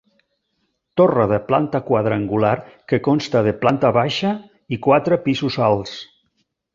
Torre de planta quadrangular que consta de planta baixa i quatre pisos alts.